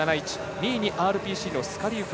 ２位、ＲＰＣのスカリウフ。